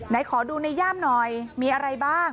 ไหนขอดูในย่ามหน่อยมีอะไรบ้าง